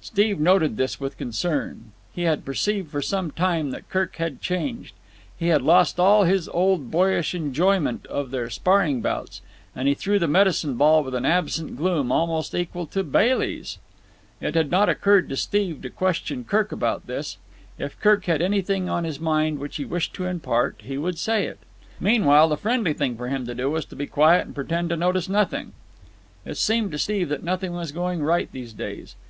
Steve noted this with concern. He had perceived for some time that Kirk had changed. He had lost all his old boyish enjoyment of their sparring bouts, and he threw the medicine ball with an absent gloom almost equal to Bailey's. It had not occurred to Steve to question Kirk about this. If Kirk had anything on his mind which he wished to impart he would say it. Meanwhile, the friendly thing for him to do was to be quiet and pretend to notice nothing. It seemed to Steve that nothing was going right these days.